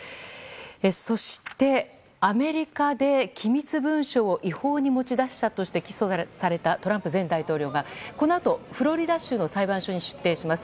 そして、アメリカで機密文書を違法に持ち出したとして起訴されたトランプ前大統領がこのあとフロリダ州の裁判所に出廷します。